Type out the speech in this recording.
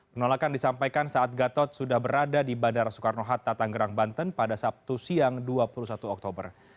penolakan disampaikan saat gatot sudah berada di bandara soekarno hatta tanggerang banten pada sabtu siang dua puluh satu oktober